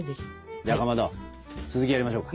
じゃあかまど続きやりましょうか。